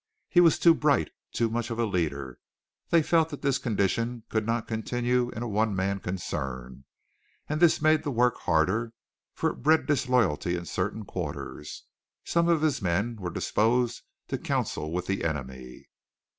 He was too bright too much of a leader. They felt that this condition could not continue in a one man concern; and this made the work harder, for it bred disloyalty in certain quarters. Some of his men were disposed to counsel with the enemy.